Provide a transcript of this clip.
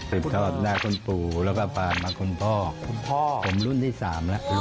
ตรง๓๐ตอนหน้าคุณปู่ก็ผ่านมาคุณพ่อหนูล่ามแล้ว